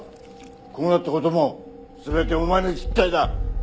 こうなった事も全てお前の失態だ！